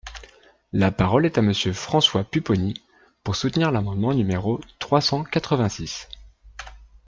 La parole est à Monsieur François Pupponi, pour soutenir l’amendement numéro trois cent quatre-vingt-six.